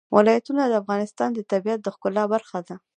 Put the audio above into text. ولایتونه د افغانستان د طبیعت د ښکلا برخه ده.